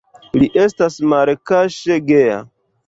Li estas malkaŝe geja.